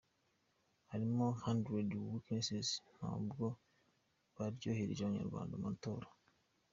Harimo hundreds weaknesses ntabwo baryohereje Abanyarwanda amatora.